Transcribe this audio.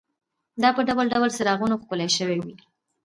دا په ډول ډول څراغونو ښکلې شوې وې.